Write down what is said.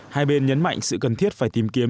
hai bên nhấn mạnh sự cần thiết phải tìm kiếm